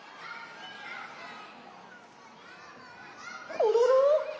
コロロ？